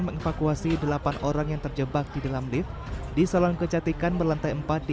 mengevakuasi delapan orang yang terjebak di dalam lift di salon kecantikan berlantai empat di